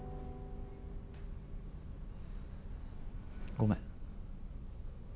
ごめん。